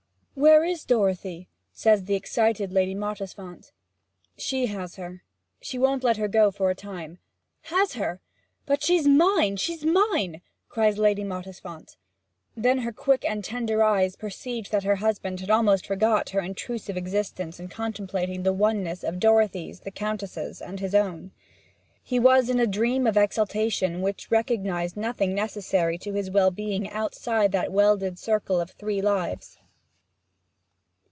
'Where is Dorothy?' says the excited Lady Mottisfont. 'She has her she won't let her go for a time ' 'Has her? But she's mine she's mine!' cries Lady Mottisfont. Then her quick and tender eyes perceived that her husband had almost forgotten her intrusive existence in contemplating the oneness of Dorothy's, the Countess's, and his own: he was in a dream of exaltation which recognized nothing necessary to his well being outside that welded circle of three lives.